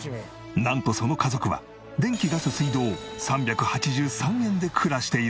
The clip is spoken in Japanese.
なんとその家族は電気ガス水道３８３円で暮らしているという。